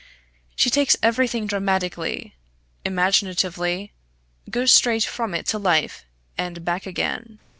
She takes everything dramatically, imaginatively, goes straight from it to life, and back again.